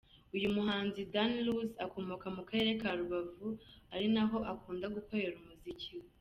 Uyu muhanzi Danluzz akomoka mu karere ka Rubavu ari naho akunda gukorera umuziki we.